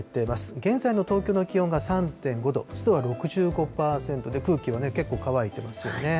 現在の東京の気温が３．５度、湿度は６５％で、空気はね、結構乾いてますよね。